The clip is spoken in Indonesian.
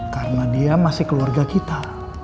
karena dia masih keluarga kita